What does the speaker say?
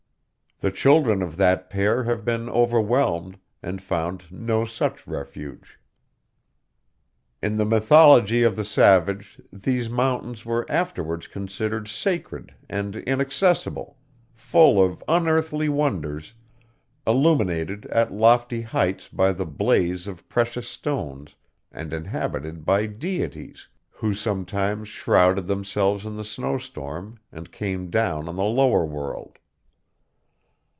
The children of that pair have been overwhelmed, and found no such refuge. In the mythology of the savage, these mountains were afterwards considered sacred and inaccessible, full of unearthly wonders, illuminated at lofty heights by the blaze of precious stones, and inhabited by deities, who sometimes shrouded themselves in the snowstorm and came down on the lower world.